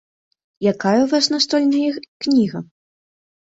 Якая ў вас настольная кніга?